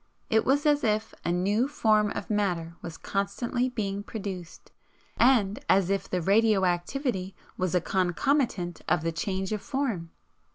It was as if a NEW FORM of matter was constantly being produced, and AS IF THE RADIO ACTIVITY WAS A CONCOMITANT OF THE CHANGE OF FORM.